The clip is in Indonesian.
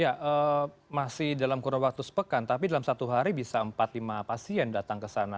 ya masih dalam kurun waktu sepekan tapi dalam satu hari bisa empat lima pasien datang ke sana